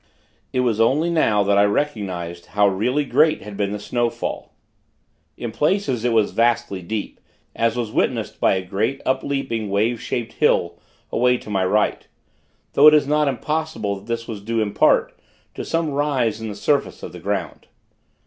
It was only now, that I recognized how really great had been the snowfall. In places it was vastly deep, as was witnessed by a great, upleaping, wave shaped hill, away to my right; though it is not impossible, that this was due, in part, to some rise in the surface of the ground.